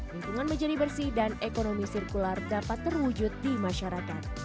lingkungan menjadi bersih dan ekonomi sirkular dapat terwujud di masyarakat